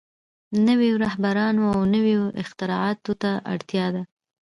نويو رهبرانو او نويو اختراعاتو ته اړتيا ده.